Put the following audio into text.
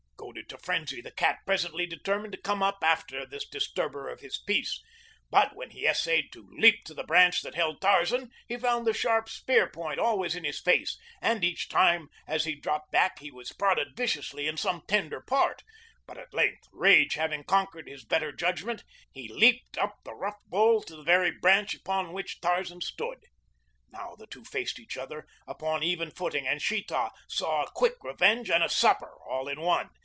Goaded to frenzy the cat presently determined to come up after this disturber of his peace; but when he essayed to leap to the branch that held Tarzan he found the sharp spear point always in his face, and each time as he dropped back he was prodded viciously in some tender part; but at length, rage having conquered his better judgment, he leaped up the rough bole to the very branch upon which Tarzan stood. Now the two faced each other upon even footing and Sheeta saw a quick revenge and a supper all in one.